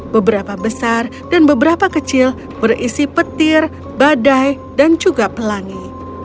beberapa besar dan beberapa kecil berisi petir badai dan juga pelangi